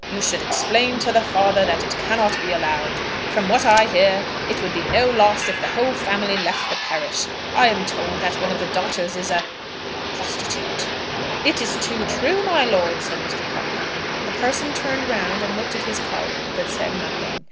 You should explain to the father that it cannot be allowed. From what I hear, it would be no loss if the whole family left the parish. I am told that one of the daughters is a prostitute." "It is too true, my lord," said Mr. Puddleham. The parson turned round and looked at his colleague, but said nothing.